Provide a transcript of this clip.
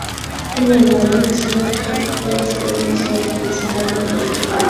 huo na mito yake yote Mito hutaja